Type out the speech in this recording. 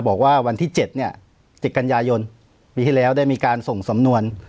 บอกว่าวันที่เจ็ดเนี้ยเจ็ดกัญญายนปีที่แล้วได้มีการส่งสำนวน